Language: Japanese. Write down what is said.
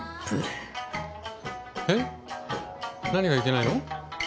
えっ何がいけないの？